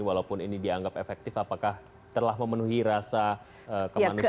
walaupun ini dianggap efektif apakah telah memenuhi rasa kemanusiaan